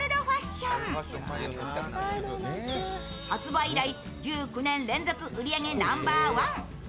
発売以来、１９年連続売り上げナンバーワン。